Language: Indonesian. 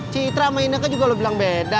citra sama ineke juga lu bilang beda